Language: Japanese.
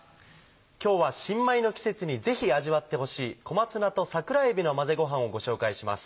今日は新米の季節にぜひ味わってほしい「小松菜と桜えびの混ぜごはん」をご紹介します。